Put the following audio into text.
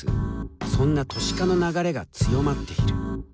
そんな都市化の流れが強まっている。